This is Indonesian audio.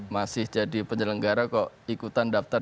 masih jadi penyelenggara kok ikutan daftar